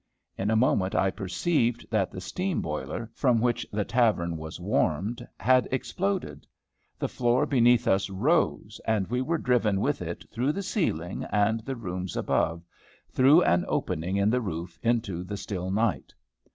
In a moment I perceived that the steam boiler, from which the tavern was warmed, had exploded. The floor beneath us rose, and we were driven with it through the ceiling and the rooms above, through an opening in the roof into the still night.